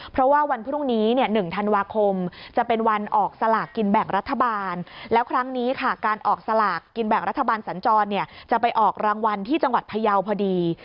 เพราะว่าวันพรุ่งนี้๑ธันวาคมจะเป็นวันออกสลากกินแบ่งรัฐบาลแล้วครั้งนี้ค่ะการออกสลากกินแบ่งรัฐบาลสัญจรจะไปออกรางวัลที่จังหวัดพยาวพอดี